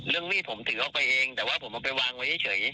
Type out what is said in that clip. เรื่องนี้ผมถือเข้าไปเองแต่ว่าผมเอาไปวางไว้เฉยเฉย